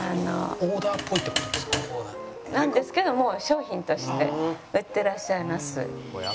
なんですけどもう商品として売ってらっしゃいます。